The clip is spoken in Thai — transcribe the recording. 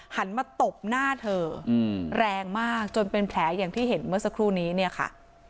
หันมาตบหน้าเธอแรงมากจนเป็นแผลอย่างที่เห็นเมื่อสักครู่นี้เนี่ยค่ะ